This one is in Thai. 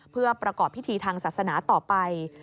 เพื่อประกอบพิธีทางศาสนาต่อไป